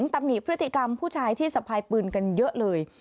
ตำหนิพฤติกรรมผู้ชายที่สะพายปืนกันเยอะเลย